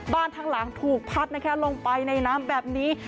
บ้านทางหลังถูกพัดลงไปในน้ำแบบนี้